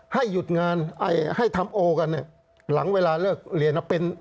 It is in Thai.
ให้หยุดงานให้ทำโอกันเนี่ยหลังเวลาเลิกเรียน